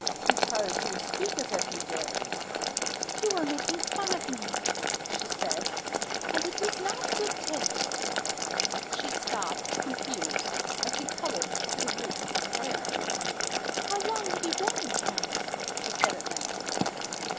"Because you speak as if you did." "You are making fun of me," she said, "and it is not good taste." She stopped, confused, as he coloured to the roots of his hair. "How long have you been in Paris?" she said at length.